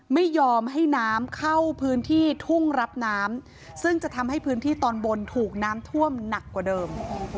ไม่ยอมให้น้ำเข้าพื้นที่ทุ่งรับน้ำซึ่งจะทำให้พื้นที่ตอนบนถูกน้ำท่วมหนักกว่าเดิม